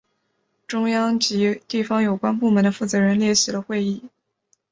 中央及地方有关部门的负责人列席了会议。